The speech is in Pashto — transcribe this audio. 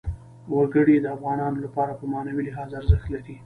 وګړي د افغانانو لپاره په معنوي لحاظ ارزښت لري.